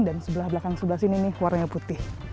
dan sebelah belakang sebelah sini nih warnanya putih